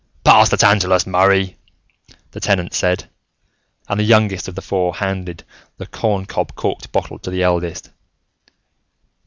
"Pass the tantalus, Murray," the Tenant said, and the youngest of the four handed the corncob corked bottle to the eldest.